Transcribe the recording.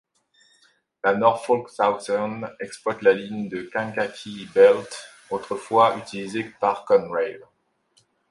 La Norfolk Southern exploite la ligne de Kankakee Belt, autrefois utilisée par Conrail.